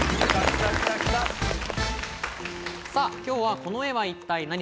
今日は「この絵は一体ナニ！？」